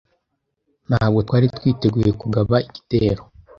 Ntabwo twari twiteguye kugaba igitero.